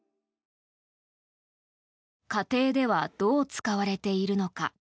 家庭ではどう使われているのか。